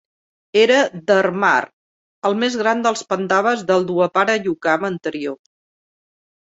Era Dharmar, el més gran dels pandaves en el Dwapara Yukam anterior.